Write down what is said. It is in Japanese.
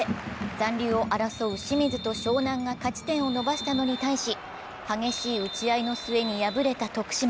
残留を争う清水と湘南が勝ち点を伸ばしたのに対し、激しい打ち合いの末に敗れた徳島。